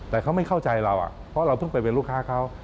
แต่เขาไม่เข้าใจเราเพราะเราเพิ่งไปเป็นลูกค้าเขา